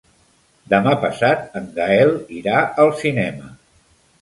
Demà passat en Gaël irà al cinema.